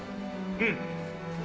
うん。